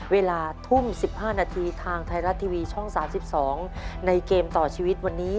เวลาทุ่ม๑๕นาทีทางไทยรัฐทีวีช่อง๓๒ในเกมต่อชีวิตวันนี้